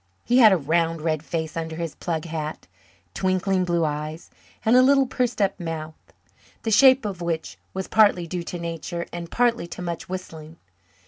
He had a round red face under his plug hat, twinkling blue eyes, and a little pursed up mouth, the shape of which was partly due to nature and partly to much whistling.